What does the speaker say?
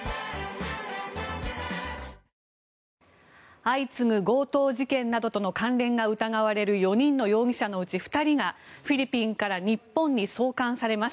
相次ぐ強盗事件などとの関連が疑われる４人の容疑者のうち２人がフィリピンから日本に送還されます。